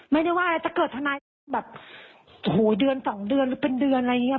ไม่ได้ว่าถ้าเกิดธนายแบบโหเดือน๒เดือนเป็นเดือนอะไรอย่างนี้